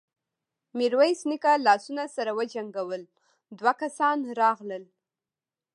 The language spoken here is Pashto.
ميرويس نيکه لاسونه سره وجنګول، دوه کسان راغلل.